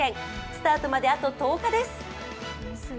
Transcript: スタートまであと１０日です。